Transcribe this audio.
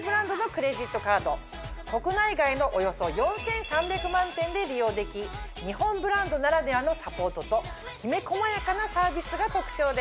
国内外のおよそ４３００万店で利用でき日本ブランドならではのサポートときめ細やかなサービスが特徴です。